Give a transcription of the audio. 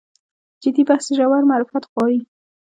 جدي بحث ژور معرفت غواړي.